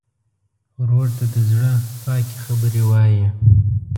ورور ته د زړه پاکې خبرې وایې.